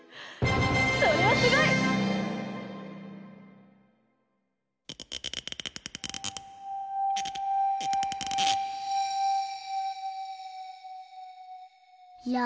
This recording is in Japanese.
それはすごい！や。